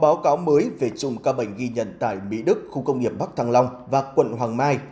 báo cáo mới về chùm ca bệnh ghi nhận tại mỹ đức khu công nghiệp bắc thăng long và quận hoàng mai